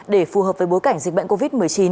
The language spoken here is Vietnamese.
để phù hợp với bối cảnh dịch bệnh covid một mươi chín